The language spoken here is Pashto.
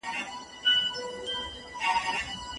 پېژندلی یې خپل کور وو خپله خونه